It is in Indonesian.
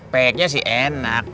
pe nya sih enak